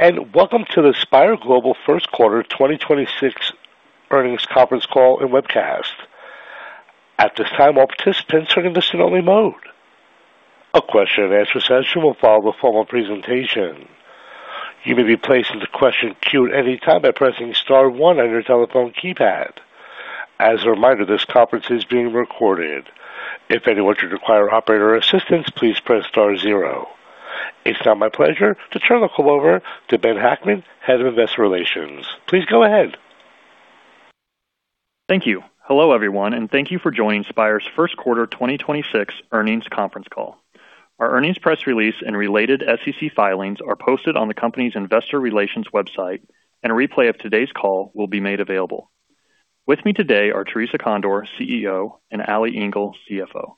Good evening, and welcome to the Spire Global First Quarter 2026 Earnings Conference Call and Webcast. At this time, Operator assistance is in listen-only mode. A question and answer session will follow the formal presentation. You may be placed in the question queue at any time by pressing star one on your telephone keypad. As a reminder, this call is being recorded. If anyone should require operator assistance, please press star zero. It's now my pleasure to turn the call over to Ben Hackman, Head of Investor Relations. Please go ahead. Thank you. Hello, everyone, and thank you for joining Spire's First Quarter 2026 Earnings Conference Call. Our earnings press release and related SEC filings are posted on the company's investor relations website, and a replay of today's call will be made available. With me today are Theresa Condor, CEO, and Ali Engel, CFO.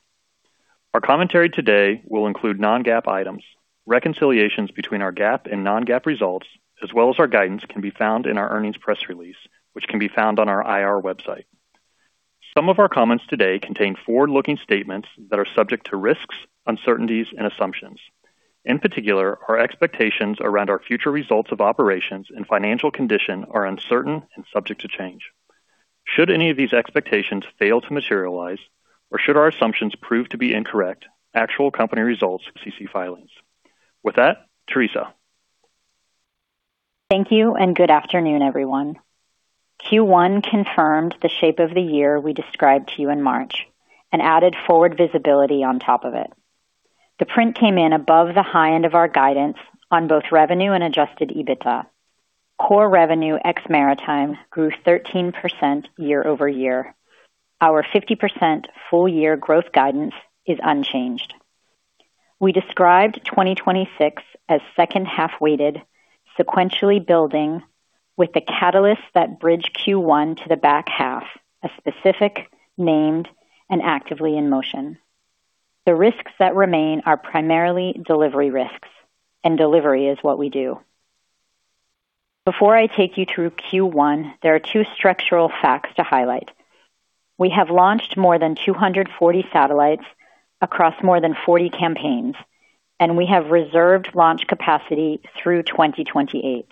Our commentary today will include non-GAAP items. Reconciliations between our GAAP and non-GAAP results, as well as our guidance, can be found in our earnings press release, which can be found on our IR website. Some of our comments today contain forward-looking statements that are subject to risks, uncertainties and assumptions. In particular, our expectations around our future results of operations and financial condition are uncertain and subject to change. Should any of these expectations fail to materialize, or should our assumptions prove to be incorrect, actual company results SEC filings. With that, Theresa. Thank you, and good afternoon, everyone. Q1 confirmed the shape of the year we described to you in March and added forward visibility on top of it. The print came in above the high end of our guidance on both revenue and adjusted EBITDA. Core revenue ex maritime grew 13% year-over-year. Our 50% full-year growth guidance is unchanged. We described 2026 as second half-weighted, sequentially building with the catalysts that bridge Q1 to the back half as specific, named, and actively in motion. The risks that remain are primarily delivery risks, and delivery is what we do. Before I take you through Q1, there are two structural facts to highlight. We have launched more than 240 satellites across more than 40 campaigns, and we have reserved launch capacity through 2028.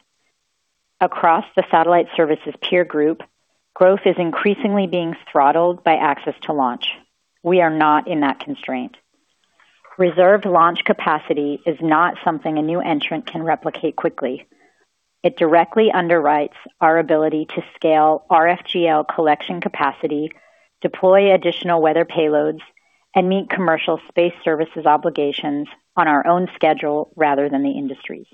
Across the satellite services peer group, growth is increasingly being throttled by access to launch. We are not in that constraint. Reserved launch capacity is not something a new entrant can replicate quickly. It directly underwrites our ability to scale RFGL collection capacity, deploy additional weather payloads, and meet commercial space services obligations on our own schedule rather than the industry's.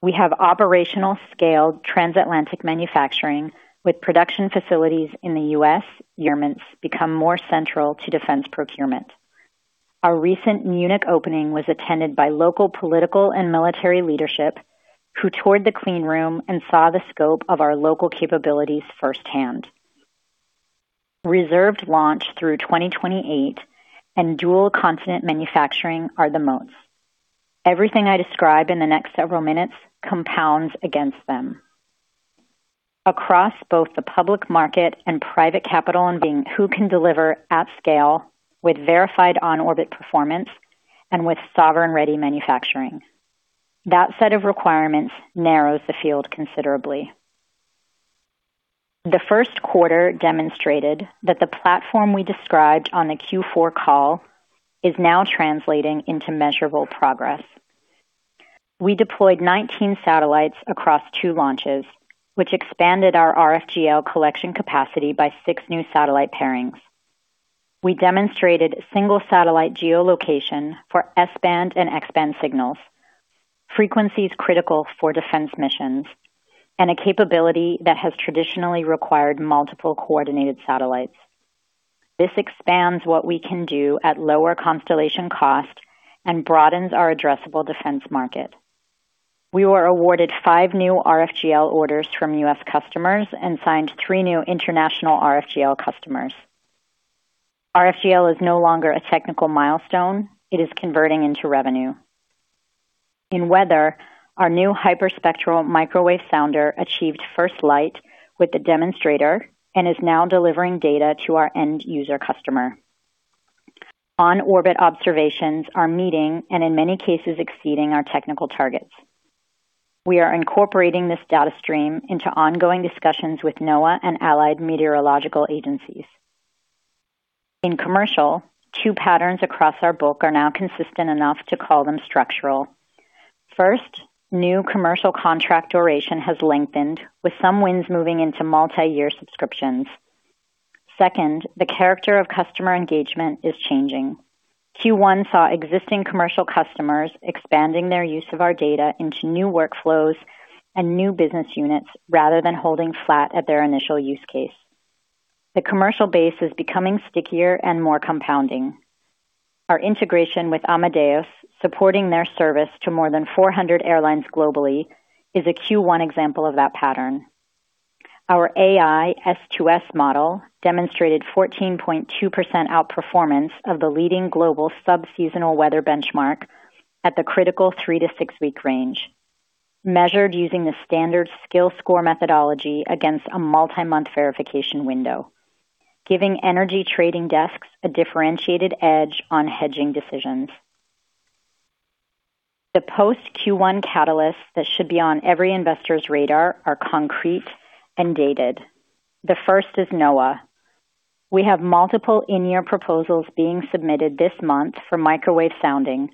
We have operational scaled transatlantic manufacturing with production facilities in the US Yarmouth's become more central to defense procurement. Our recent Munich opening was attended by local political and military leadership who toured the clean room and saw the scope of our local capabilities firsthand. Reserved launch through 2028 and dual continent manufacturing are the moats. Everything I describe in the next seven minutes compounds against them. Across both the public market and private capital and being who can deliver at scale with verified on-orbit performance and with sovereign-ready manufacturing. That set of requirements narrows the field considerably. The first quarter demonstrated that the platform we described on the Q4 call is now translating into measurable progress. We deployed 19 satellites across two launches, which expanded our RFGL collection capacity by six new satellite pairings. We demonstrated single satellite geolocation for S-band and X-band signals, frequencies critical for defense missions, and a capability that has traditionally required multiple coordinated satellites. This expands what we can do at lower constellation cost and broadens our addressable defense market. We were awarded five new RFGL orders from US customers and signed three new international RFGL customers. RFGL is no longer a technical milestone. It is converting into revenue. In weather, our new Hyperspectral Microwave Sounder achieved first light with the demonstrator and is now delivering data to our end user customer. On-orbit observations are meeting and in many cases exceeding our technical targets. We are incorporating this data stream into ongoing discussions with NOAA and allied meteorological agencies. In commercial, two patterns across our book are now consistent enough to call them structural. First, new commercial contract duration has lengthened, with some wins moving into multi-year subscriptions. Second, the character of customer engagement is changing. Q1 saw existing commercial customers expanding their use of our data into new workflows and new business units rather than holding flat at their initial use case. The commercial base is becoming stickier and more compounding. Our integration with Amadeus, supporting their service to more than 400 airlines globally, is a Q1 example of that pattern. Our AI S2S model demonstrated 14.2% outperformance of the leading global sub-seasonal weather benchmark at the critical three to six week range. Measured using the standard skill score methodology against a multi-month verification window, giving energy trading desks a differentiated edge on hedging decisions. The post Q1 catalysts that should be on every investor's radar are concrete and dated. The first is NOAA. We have multiple in-year proposals being submitted this month for microwave sounding,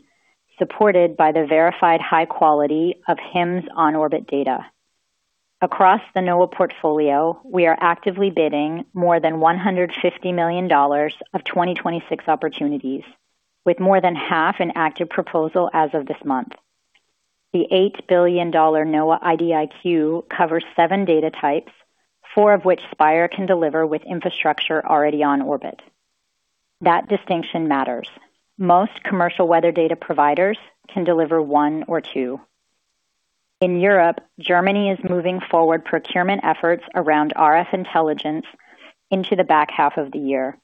supported by the verified high quality of HyMS on-orbit data. Across the NOAA portfolio, we are actively bidding more than $150 million of 2026 opportunities, with more than half an active proposal as of this month. The $8 billion NOAA IDIQ covers seven data types, four of which Spire can deliver with infrastructure already on orbit. That distinction matters. Most commercial weather data providers can deliver one or two. In Europe, Germany is moving forward procurement efforts around RF intelligence into the back half of the year.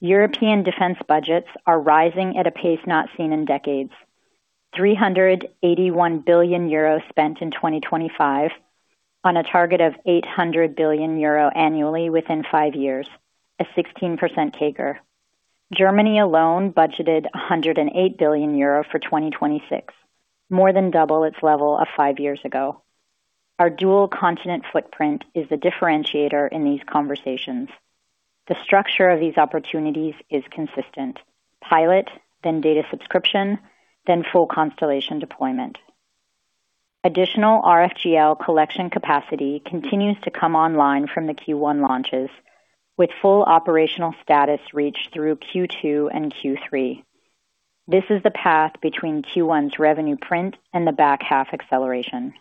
European defense budgets are rising at a pace not seen in decades. 381 billion euro spent in 2025 on a target of 800 billion euro annually within five years, a 16% CAGR. Germany alone budgeted 108 billion euro for 2026, more than double its level of five years ago. Our dual continent footprint is the differentiator in these conversations. The structure of these opportunities is consistent. Pilot, then data subscription, then full constellation deployment. Additional RFGL collection capacity continues to come online from the Q1 launches, with full operational status reached through Q2 and Q3. This is the path between Q1's revenue print and the back half acceleration.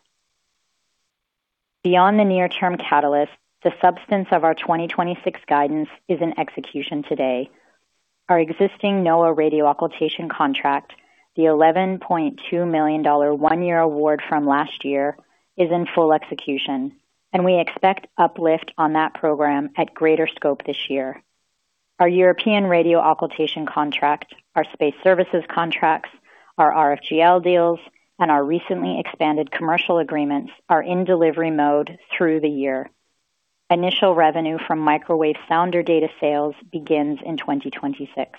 Beyond the near-term catalyst, the substance of our 2026 guidance is in execution today. Our existing NOAA radio occultation contract, the $11.2 million one-year award from last year, is in full execution, and we expect uplift on that program at greater scope this year. Our European radio occultation contract, our space services contracts, our RFGL deals, and our recently expanded commercial agreements are in delivery mode through the year. Initial revenue from microwave sounder data sales begins in 2026.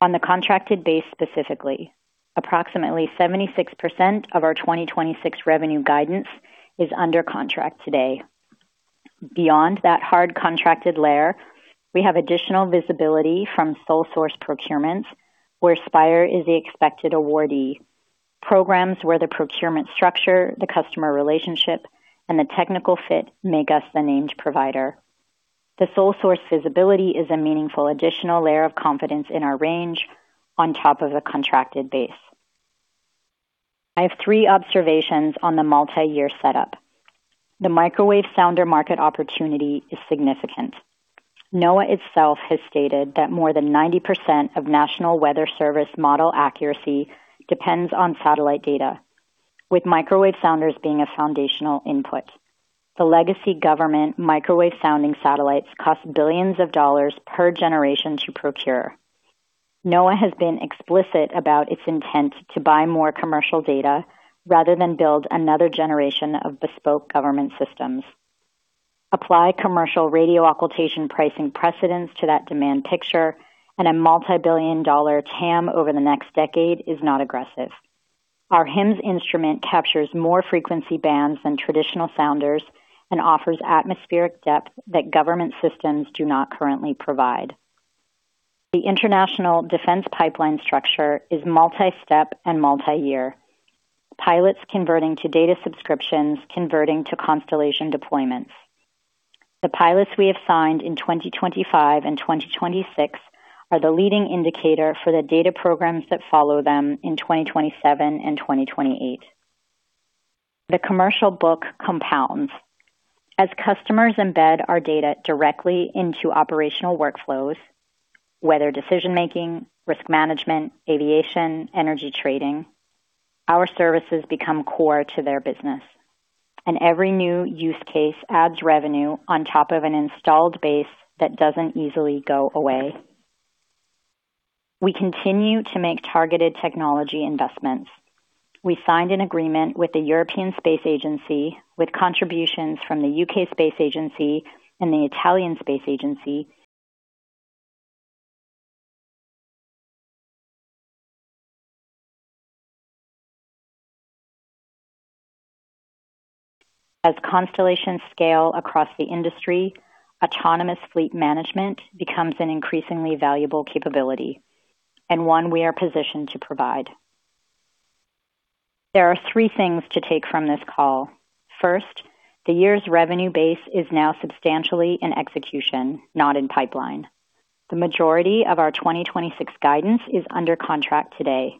On the contracted base specifically, approximately 76% of our 2026 revenue guidance is under contract today. Beyond that hard contracted layer, we have additional visibility from sole source procurements where Spire is the expected awardee. Programs where the procurement structure, the customer relationship, and the technical fit make us the named provider. The sole source visibility is a meaningful additional layer of confidence in our range on top of the contracted base. I have three observations on the multi-year setup. The microwave sounder market opportunity is significant. NOAA itself has stated that more than 90% of National Weather Service model accuracy depends on satellite data, with microwave sounders being a foundational input. The legacy government microwave sounding satellites cost billions per generation to procure. NOAA has been explicit about its intent to buy more commercial data rather than build another generation of bespoke government systems. Apply commercial radio occultation pricing precedents to that demand picture, and a multi-billion TAM over the next decade is not aggressive. Our HyMS instrument captures more frequency bands than traditional sounders and offers atmospheric depth that government systems do not currently provide. The international defense pipeline structure is multi-step and multi-year. Pilots converting to data subscriptions converting to constellation deployments. The pilots we have signed in 2025 and 2026 are the leading indicator for the data programs that follow them in 2027 and 2028. The commercial book compounds. As customers embed our data directly into operational workflows, whether decision-making, risk management, aviation, energy trading, our services become core to their business. Every new use case adds revenue on top of an installed base that doesn't easily go away. We continue to make targeted technology investments. We signed an agreement with the European Space Agency with contributions from the UK Space Agency and the Italian Space Agency. As constellations scale across the industry, autonomous fleet management becomes an increasingly valuable capability and one we are positioned to provide. There are three things to take from this call. First, the year's revenue base is now substantially in execution, not in pipeline. The majority of our 2026 guidance is under contract today,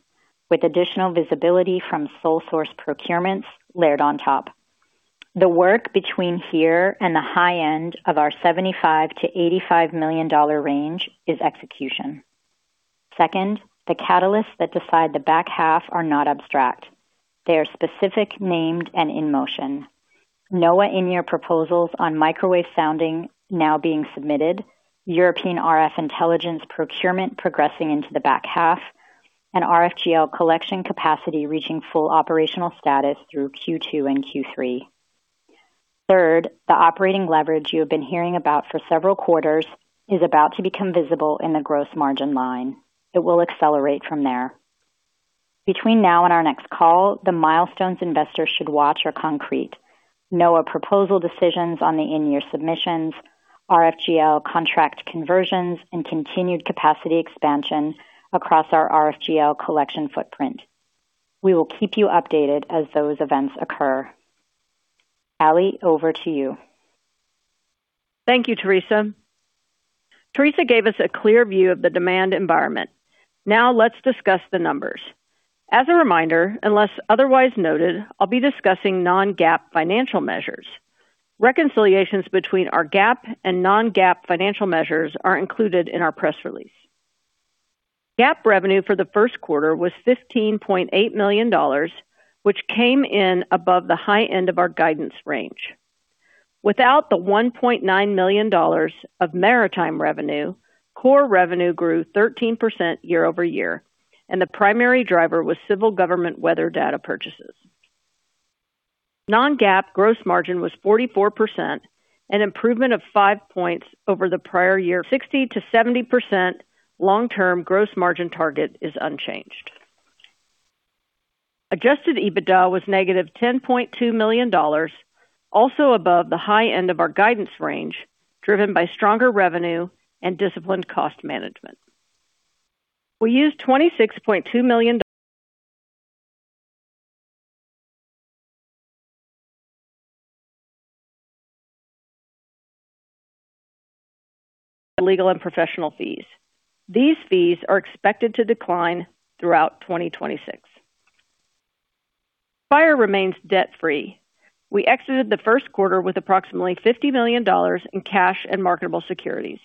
with additional visibility from sole source procurements layered on top. The work between here and the high end of our $75 million-$85 million range is execution. Second, the catalysts that decide the back half are not abstract. They are specific, named, and in motion. NOAA in-year proposals on microwave sounding now being submitted. European RF intelligence procurement progressing into the back half and RFGL collection capacity reaching full operational status through Q2 and Q3. Third, the operating leverage you have been hearing about for several quarters is about to become visible in the gross margin line. It will accelerate from there. Between now and our next call, the milestones investors should watch are concrete. NOAA proposal decisions on the in-year submissions, RFGL contract conversions, and continued capacity expansion across our RFGL collection footprint. We will keep you updated as those events occur. Ali, over to you. Thank you, Theresa. Theresa gave us a clear view of the demand environment. Let's discuss the numbers. As a reminder, unless otherwise noted, I'll be discussing non-GAAP financial measures. Reconciliations between our GAAP and non-GAAP financial measures are included in our press release. GAAP revenue for the first quarter was $15.8 million, which came in above the high end of our guidance range. Without the $1.9 million of maritime revenue, core revenue grew 13% year-over-year, the primary driver was civil government weather data purchases. Non-GAAP gross margin was 44%, an improvement of 5 points over the prior year. 60%-70% long-term gross margin target is unchanged. Adjusted EBITDA was -$10.2 million, also above the high end of our guidance range, driven by stronger revenue and disciplined cost management. We used $26.2 million, legal and professional fees. These fees are expected to decline throughout 2026. Spire remains debt-free. We exited the first quarter with approximately $50 million in cash and marketable securities.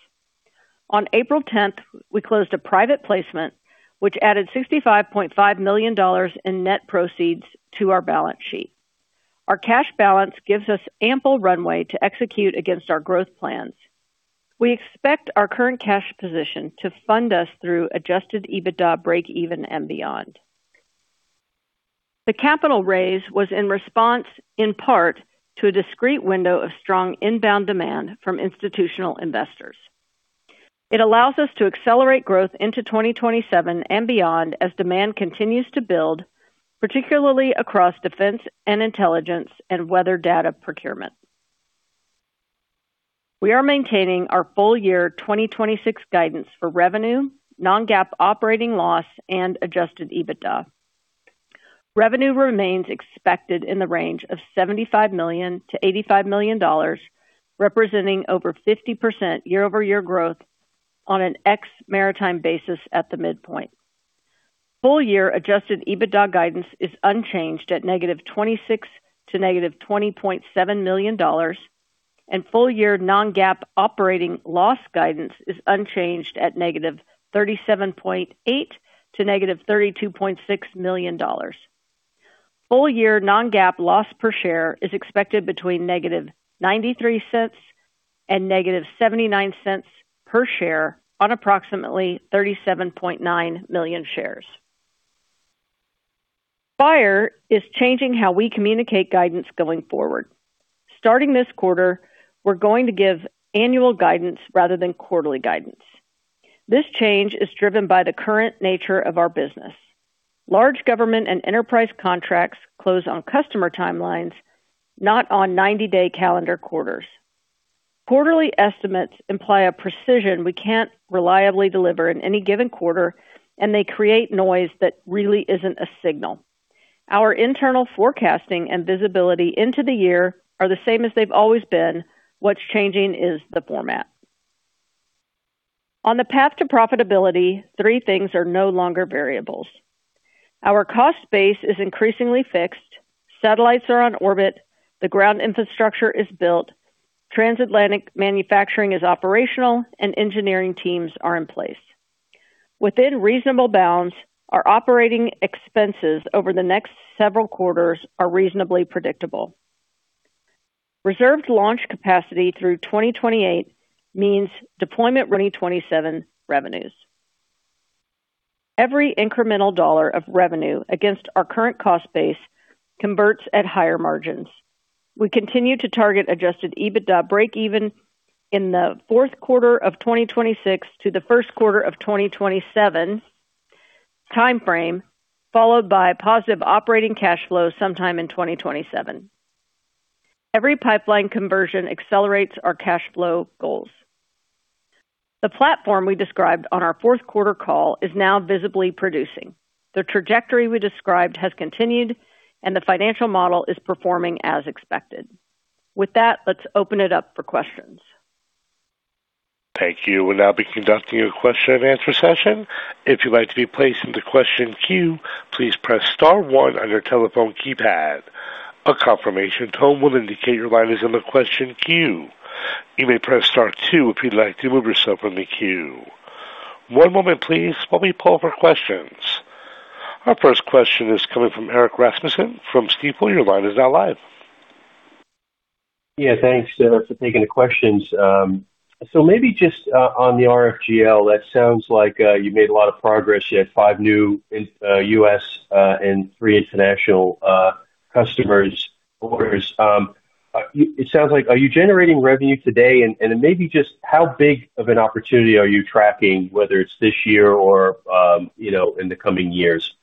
On April 10th, we closed a private placement which added $65.5 million in net proceeds to our balance sheet. Our cash balance gives us ample runway to execute against our growth plans. We expect our current cash position to fund us through adjusted EBITDA breakeven and beyond. The capital raise was in response, in part, to a discrete window of strong inbound demand from institutional investors. It allows us to accelerate growth into 2027 and beyond as demand continues to build, particularly across defense and intelligence and weather data procurement. We are maintaining our full-year 2026 guidance for revenue, non-GAAP operating loss and adjusted EBITDA. Revenue remains expected in the range of $75 million-$85 million, representing over 50% year-over-year growth on an ex maritime basis at the midpoint. Full-year adjusted EBITDA guidance is unchanged at -$26 million to -$20.7 million, and full-year non-GAAP operating loss guidance is unchanged at -$37.8 million to -$32.6 million. full-year non-GAAP loss per share is expected between -$0.93 and -$0.79 per share on approximately 37.9 million shares. Spire is changing how we communicate guidance going forward. Starting this quarter, we're going to give annual guidance rather than quarterly guidance. This change is driven by the current nature of our business. Large government and enterprise contracts close on customer timelines, not on 90 day calendar quarters. Quarterly estimates imply a precision we can't reliably deliver in any given quarter, and they create noise that really isn't a signal. Our internal forecasting and visibility into the year are the same as they've always been. What's changing is the format. On the path to profitability, three things are no longer variables. Our cost base is increasingly fixed. Satellites are on orbit, the ground infrastructure is built, transatlantic manufacturing is operational, and engineering teams are in place. Within reasonable bounds, our operating expenses over the next several quarters are reasonably predictable. Reserved launch capacity through 2028 means deployment running 2027 revenues. Every incremental dollar of revenue against our current cost base converts at higher margins. We continue to target adjusted EBITDA breakeven in the fourth quarter of 2026 to the first quarter of 2027 timeframe, followed by positive operating cash flow sometime in 2027. Every pipeline conversion accelerates our cash flow goals. The platform we described on our fourth quarter call is now visibly producing. The trajectory we described has continued and the financial model is performing as expected. With that, let's open it up for questions. Thank you. We'll now be conducting a question and answer session. If you'd like to be placed into question queue, please press star one on your telephone keypad. A confirmation tone will indicate your line is in the question queue. You may press star two if you'd like to remove yourself from the queue. One moment please while we pull for questions. Our first question is coming from Erik Rasmussen from Stifel. Your line is now live. Thanks for taking the questions. On the RFGL, that sounds like you made a lot of progress. You had five new in U.S. and three international customers orders. It sounds like, are you generating revenue today? Maybe just how big of an opportunity are you tracking, whether it's this year or, you know, in the coming years?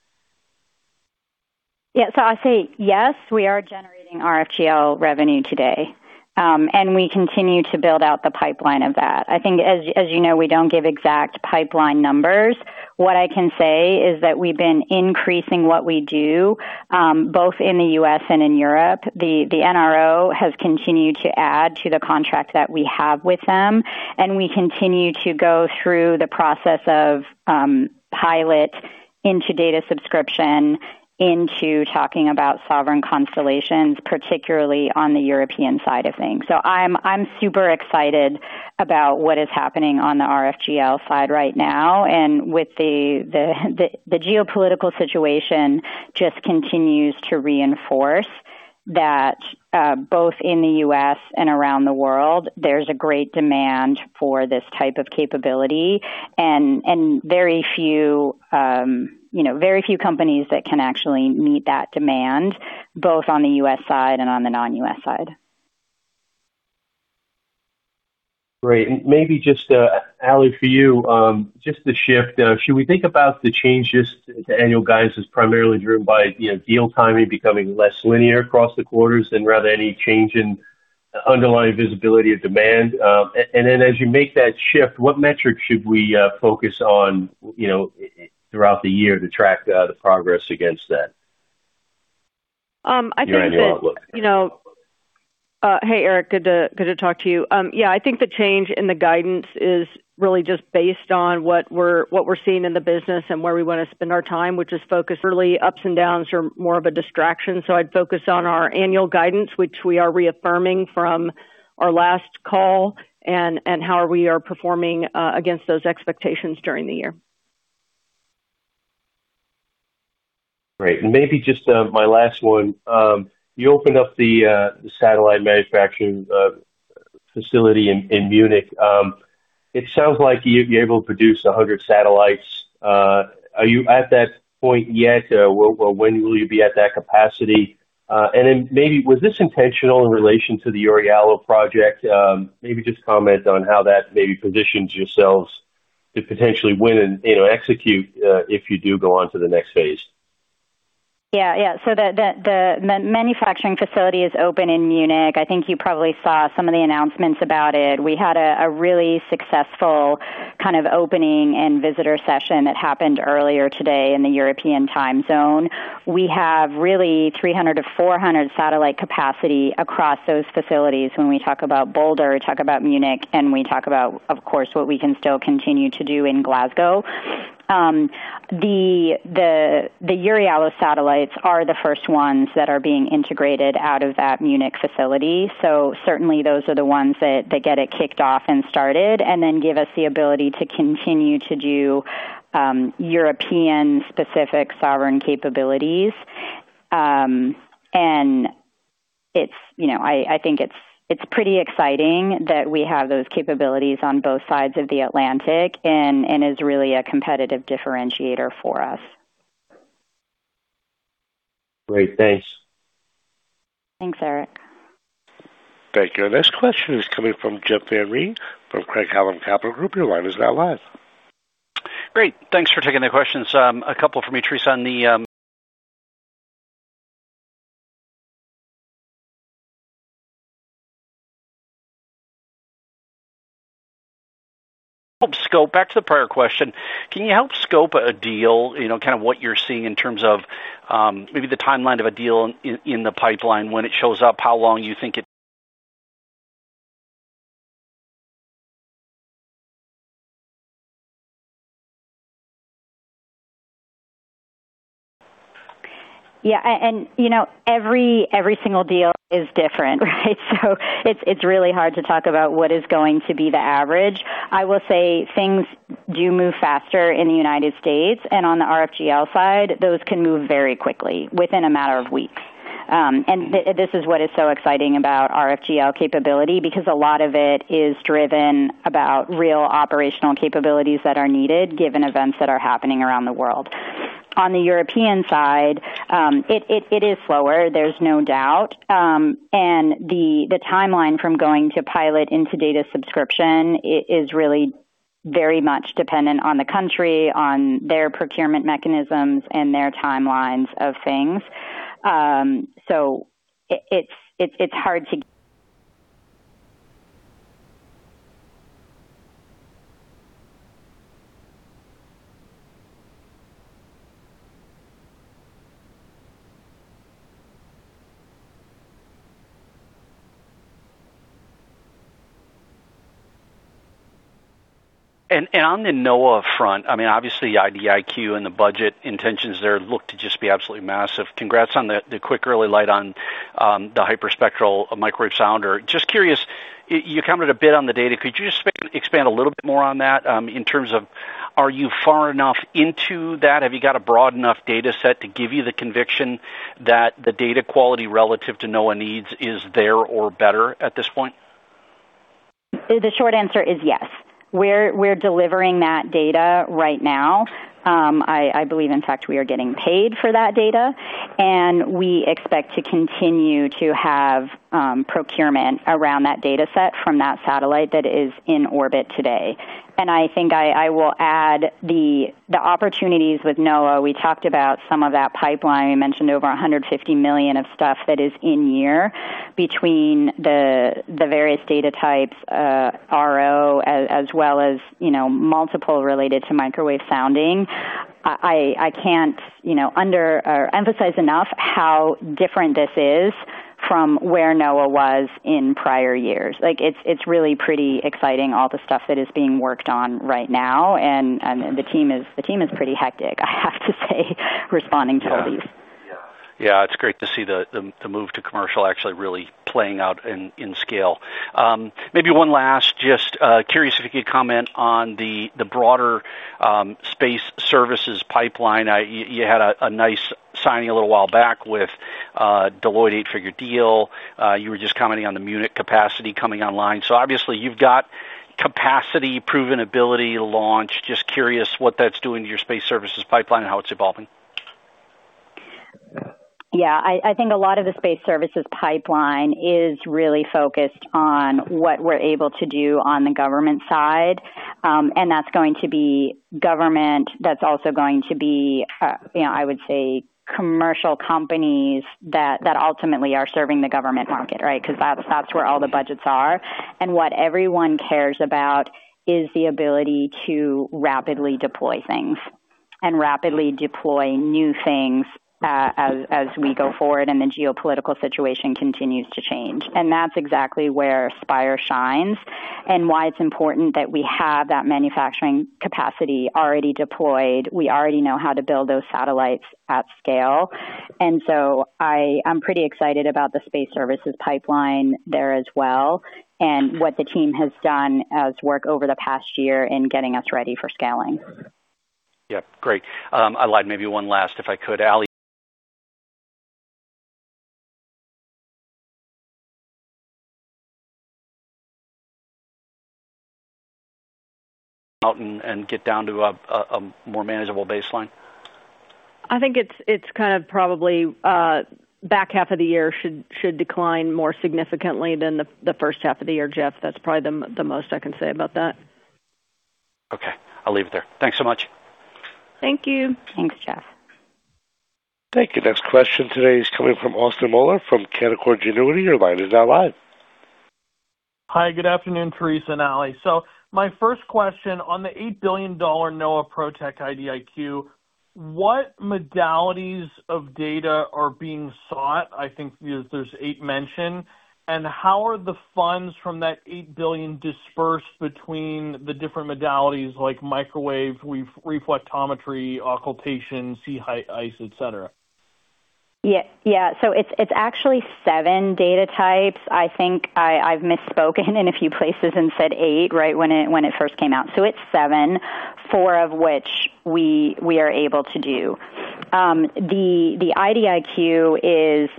Yeah. I'll say, yes, we are generating RFGL revenue today. We continue to build out the pipeline of that. I think as you know, we don't give exact pipeline numbers. What I can say is that we've been increasing what we do, both in the U.S. and in Europe. The NRO has continued to add to the contract that we have with them, we continue to go through the process of pilot into data subscription, into talking about sovereign constellations, particularly on the European side of things. I'm super excited about what is happening on the RFGL side right now. With the geopolitical situation just continues to reinforce that, both in the U.S. and around the world, there's a great demand for this type of capability. Very few, you know, very few companies that can actually meet that demand, both on the U.S. side and on the non U.S. side. Great. Maybe just, Ali, for you, just to shift. Should we think about the changes to annual guidance as primarily driven by, you know, deal timing becoming less linear across the quarters than rather any change in underlying visibility of demand? As you make that shift, what metrics should we focus on, you know, throughout the year to track the progress against that? Um, I think that- Your annual outlook. You know, hey, Erik. Good to talk to you. Yeah, I think the change in the guidance is really just based on what we're seeing in the business and where we wanna spend our time, which is focused. Really ups and downs are more of a distraction. I'd focus on our annual guidance, which we are reaffirming from our last call and how we are performing against those expectations during the year. Great. Maybe just my last one. You opened up the satellite manufacturing facility in Munich. It sounds like you'd be able to produce 100 satellites. Are you at that point yet? When will you be at that capacity? Then maybe was this intentional in relation to the EURIALO project? Maybe just comment on how that maybe positions yourselves to potentially win and, you know, execute if you do go on to the next phase. Yeah. The manufacturing facility is open in Munich. I think you probably saw some of the announcements about it. We had a really successful kind of opening and visitor session that happened earlier today in the European time zone. We have really 300-400 satellite capacity across those facilities when we talk about Boulder, we talk about Munich, and we talk about, of course, what we can still continue to do in Glasgow. The EURIALO satellites are the first ones that are being integrated out of that Munich facility. Certainly those are the ones that get it kicked off and started, give us the ability to continue to do European specific sovereign capabilities. It's, you know, I think it's pretty exciting that we have those capabilities on both sides of the Atlantic and is really a competitive differentiator for us. Great. Thanks. Thanks, Erik. Thank you. Our next question is coming from Jeff Van Rhee from Craig-Hallum Capital Group. Your line is now live. Great. Thanks for taking the questions. A couple for me, Theresa, on the help scope back to the prior question. Can you help scope a deal, you know, kind of what you're seeing in terms of, maybe the timeline of a deal in the pipeline when it shows up, how long you think it, Yeah. You know, every single deal is different, right? It's really hard to talk about what is going to be the average. I will say things do move faster in the United States. On the RFGL side, those can move very quickly within a matter of weeks. This is what is so exciting about RFGL capability because a lot of it is driven about real operational capabilities that are needed given events that are happening around the world. On the European side, it is slower, there's no doubt. The timeline from going to pilot into data subscription is really very much dependent on the country, on their procurement mechanisms and their timelines of things. On the NOAA front, I mean, obviously the IDIQ and the budget intentions there look to just be absolutely massive. Congrats on the quick early light on the Hyperspectral Microwave Sounder. Just curious. You commented a bit on the data. Could you just expand a little bit more on that, in terms of are you far enough into that? Have you got a broad enough data set to give you the conviction that the data quality relative to NOAA needs is there or better at this point? The short answer is yes. We're delivering that data right now. I believe, in fact, we are getting paid for that data, and we expect to continue to have procurement around that data set from that satellite that is in orbit today. I think I will add the opportunities with NOAA. We talked about some of that pipeline. I mentioned over $150 million of stuff that is in year between the various data types, RO as well as, you know, multiple related to microwave sounding. I can't, you know, under or emphasize enough how different this is from where NOAA was in prior years. Like, it's really pretty exciting, all the stuff that is being worked on right now. The team is pretty hectic, I have to say, responding to all these. Yeah. It's great to see the move to commercial really playing out in scale. Maybe one last. Just curious if you could comment on the broader space services pipeline. You had a nice signing a little while back with Deloitte eight figure deal. You were just commenting on the Munich capacity coming online. Obviously, you've got capacity, proven ability to launch. Just curious what that's doing to your space services pipeline and how it's evolving. I think a lot of the space services pipeline is really focused on what we're able to do on the government side. That's going to be government. That's also going to be, you know, I would say commercial companies that ultimately are serving the government market, right? 'Cause that's where all the budgets are. What everyone cares about is the ability to rapidly deploy things and rapidly deploy new things as we go forward and the geopolitical situation continues to change. That's exactly where Spire shines and why it's important that we have that manufacturing capacity already deployed. We already know how to build those satellites at scale. I'm pretty excited about the space services pipeline there as well and what the team has done as work over the past year in getting us ready for scaling. Yeah. Great. I'll add maybe one last, if I could, out and get down to a more manageable baseline. I think it's kind of probably back half of the year should decline more significantly than the first half of the year, Jeff. That's probably the most I can say about that. Okay. I'll leave it there. Thanks so much. Thank you. Thanks, Jeff. Thank you. Next question today is coming from Austin Moeller from Canaccord Genuity. Hi. Good afternoon, Theresa and Ali. My first question on the $8 billion NOAA ProTech IDIQ, what modalities of data are being sought? I think there's eight mentioned. How are the funds from that $8 billion dispersed between the different modalities like microwave, reflectometry, occultation, sea height, ice, et cetera? Yeah. Yeah. It's, it's actually seven data types. I think I've misspoken in a few places and said eight right when it, when it first came out. It's seven, four of which we are able to do. The, the IDIQ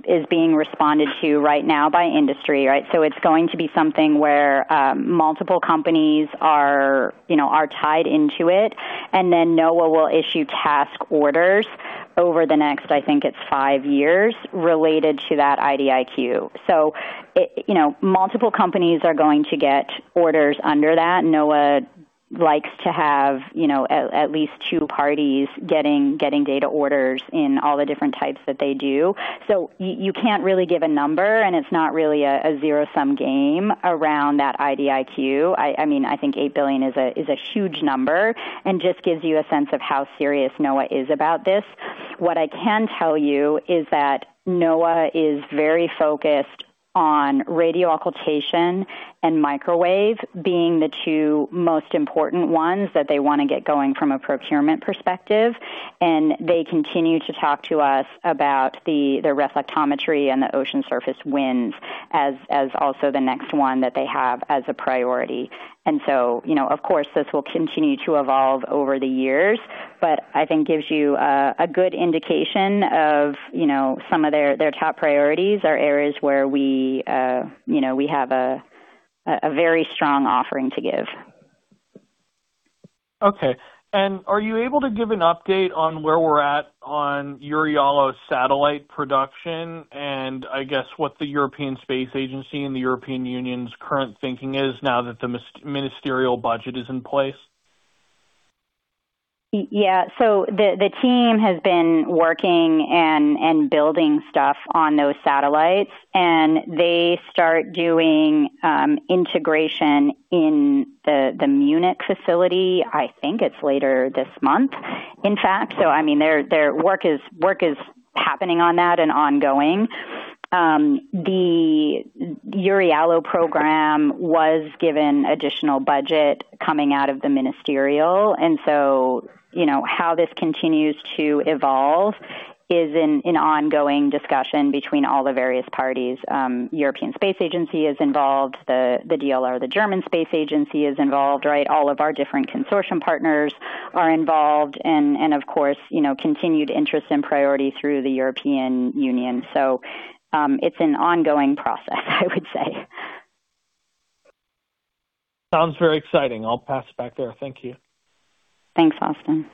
is being responded to right now by industry, right? It's going to be something where multiple companies are, you know, are tied into it, and then NOAA will issue task orders over the next, I think it's five years related to that IDIQ. You know, multiple companies are going to get orders under that. NOAA likes to have, you know, at least two parties getting data orders in all the different types that they do. You can't really give a number, and it's not really a zero-sum game around that IDIQ. I mean, I think $8 billion is a huge number and just gives you a sense of how serious NOAA is about this. What I can tell you is that NOAA is very focused on radio occultation and microwave being the two most important ones that they wanna get going from a procurement perspective. They continue to talk to us about the reflectometry and the ocean surface winds as also the next one that they have as a priority. You know, of course, this will continue to evolve over the years, but I think gives you a good indication of, you know, some of their top priorities or areas where we, you know, we have a very strong offering to give. Okay. Are you able to give an update on where we're at on EURIALO satellite production and I guess what the European Space Agency and the European Union's current thinking is now that the ministerial budget is in place? Yeah. The team has been working and building stuff on those satellites, and they start doing integration in the Munich facility, I think it's later this month, in fact. I mean, their work is happening on that and ongoing. The EURIALO program was given additional budget coming out of the ministerial, you know, how this continues to evolve is an ongoing discussion between all the various parties. European Space Agency is involved. The DLR, the German Space Agency is involved, right? All of our different consortium partners are involved and of course, you know, continued interest and priority through the European Union. It's an ongoing process, I would say. Sounds very exciting. I'll pass it back there. Thank you. Thanks, Austin.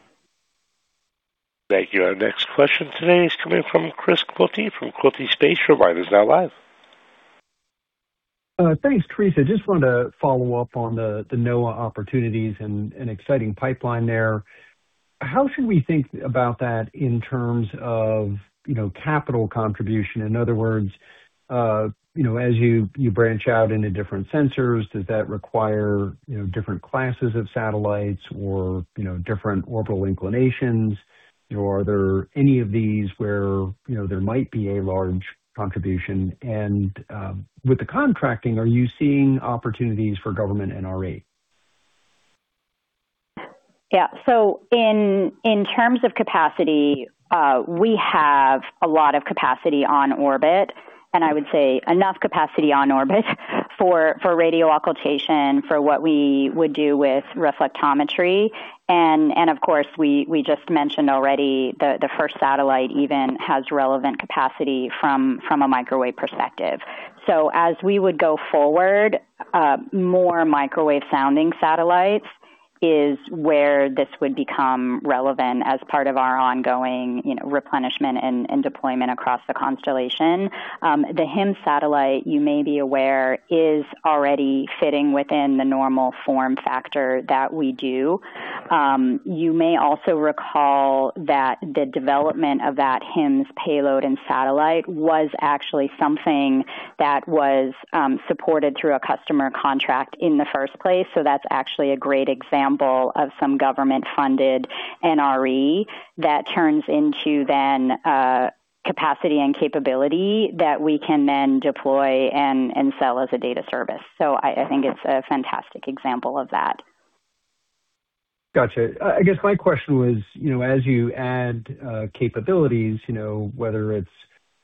Thank you. Our next question today is coming from Chris Quilty from Quilty Space. Your line is now live. Thanks, Theresa. Just wanted to follow up on the NOAA opportunities and exciting pipeline there. How should we think about that in terms of, you know, capital contribution? In other words, you know, as you branch out into different sensors, does that require, you know, different classes of satellites or, you know, different orbital inclinations? You know, are there any of these where, you know, there might be a large contribution? With the contracting, are you seeing opportunities for government NRE? In terms of capacity, we have a lot of capacity on orbit, and I would say enough capacity on orbit for radio occultation for what we would do with reflectometry. Of course, we just mentioned already the first satellite even has relevant capacity from a microwave perspective. As we would go forward, more microwave sounding satellites is where this would become relevant as part of our ongoing, you know, replenishment and deployment across the constellation. The HyMS satellite, you may be aware, is already fitting within the normal form factor that we do. You may also recall that the development of that HyMS payload and satellite was actually something that was supported through a customer contract in the first place. That's actually a great example of some government-funded NRE that turns into then, capacity and capability that we can then deploy and sell as a data service. I think it's a fantastic example of that. Gotcha. I guess my question was, you know, as you add capabilities, you know, whether it's,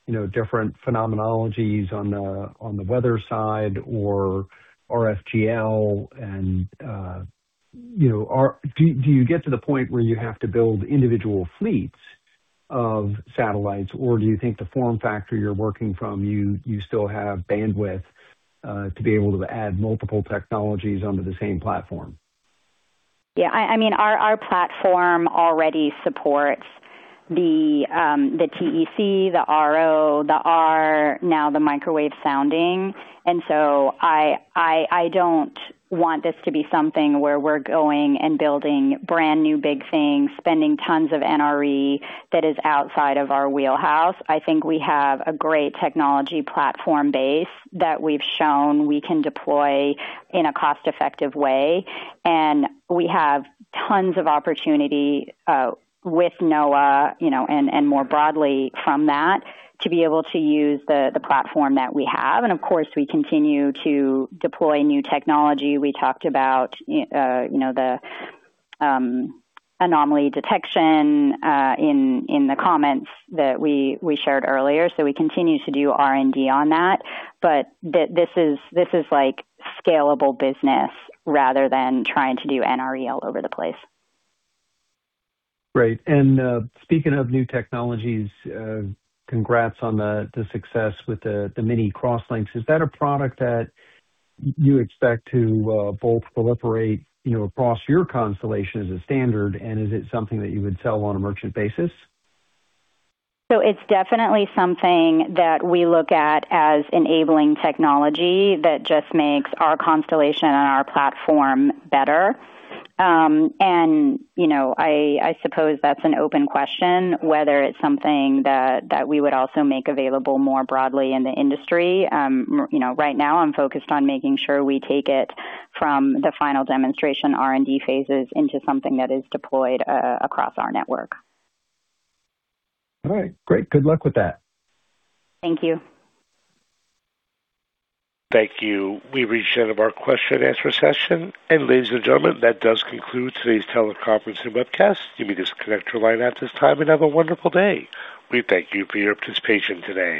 you know, different phenomenologies on the weather side or RFGL and, you know, do you get to the point where you have to build individual fleets of satellites, or do you think the form factor you're working from, you still have bandwidth to be able to add multiple technologies onto the same platform? Yeah. I mean, our platform already supports the TEC, the RO, the R, now the microwave sounding. I don't want this to be something where we're going and building brand-new big things, spending tons of NRE that is outside of our wheelhouse. I think we have a great technology platform base that we've shown we can deploy in a cost-effective way, and we have tons of opportunity with NOAA, you know, and more broadly from that to be able to use the platform that we have. Of course, we continue to deploy new technology. We talked about, you know, the anomaly detection in the comments that we shared earlier. We continue to do R&D on that. This is like scalable business rather than trying to do NRE all over the place. Great. Speaking of new technologies, congrats on the mini crosslinks. Is that a product that you expect to both proliferate, you know, across your constellation as a standard, and is it something that you would sell on a merchant basis? It's definitely something that we look at as enabling technology that just makes our constellation and our platform better. You know, I suppose that's an open question whether it's something that we would also make available more broadly in the industry. You know, right now I'm focused on making sure we take it from the final demonstration R&D phases into something that is deployed across our network. All right. Great. Good luck with that. Thank you. Thank you. We've reached the end of our question and answer session. Ladies and gentlemen, that does conclude today's teleconference and webcast. You may disconnect your line at this time and have a wonderful day. We thank you for your participation today.